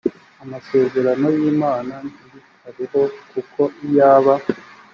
amasezerano y imana ntibikabeho kuko iyaba